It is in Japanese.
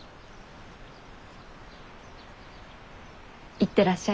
行ってらっしゃい。